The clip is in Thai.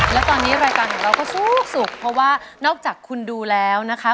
และตอนนี้รายการของเราก็สุขเพราะว่านอกจากคุณดูแล้วนะคะ